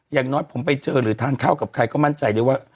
อย่างน้อยผมไปเจอหรือทานข้าวกับใครก็มั่นใจได้ว่า